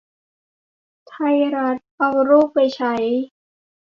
ไทยรัฐ เอารูปไปใช้